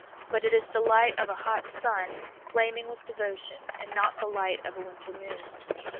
But it is the light of a hot sun flaming with devotion, and not the light of a winter moon.